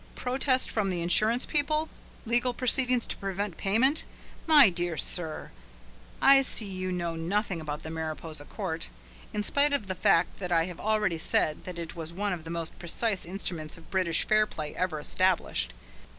Protest from the insurance people? Legal proceedings to prevent payment? My dear sir! I see you know nothing about the Mariposa court, in spite of the fact that I have already said that it was one of the most precise instruments of British fair play ever established.